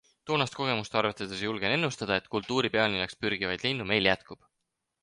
Toonast kogemust arvestades julgen ennustada, et kultuuripealinnaks pürgivaid linnu meil jätkub.